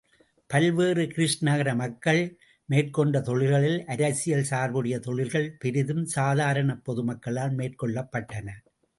பல்வேறு கிரீஸ் நகர மக்கள் மேற்கொண்ட தொழில்களில், அரசியல் சார்புடைய தொழில்கள் பெரிதும், சாதாரணப் பொதுமக்களால் மேற்கொள்ளப்பட்டன.